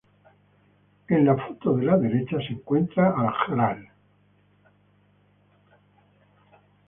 En la foto de la derecha se encuentra el Gral.